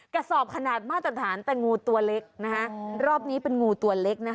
กะสอบขนาดมาตรฐานแต่งูตัวเล็ก